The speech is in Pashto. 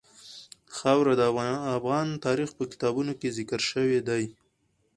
خاوره د افغان تاریخ په کتابونو کې ذکر شوی دي.